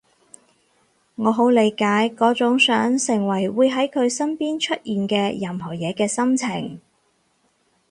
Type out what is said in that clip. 我好理解嗰種想成為會喺佢身邊出現嘅任何嘢嘅心情